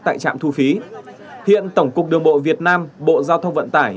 tại trạm thu phí hiện tổng cục đường bộ việt nam bộ giao thông vận tải